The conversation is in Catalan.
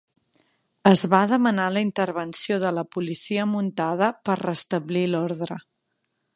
Es va demanar la intervenció de la policia muntada per restablir l'ordre.